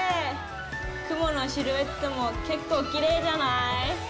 雲のシルエットも結構きれいじゃない？